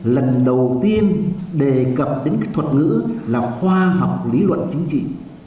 lần đầu tiên đề cập đến cái thuật ngữ là khoa học lý luận chính trị